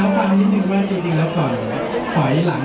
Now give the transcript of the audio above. อะไรคะมีเสียงมืออะไรกับต้องการ